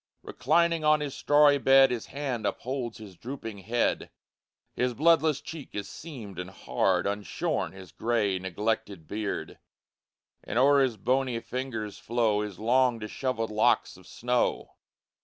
Reclining on his strawy bed, His hand upholds his drooping head; His bloodless cheek is seamed and hard, Unshorn his gray, neglected beard; And o'er his bony fingers flow His long, dishevelled locks of snow.